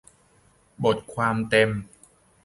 บทความเต็ม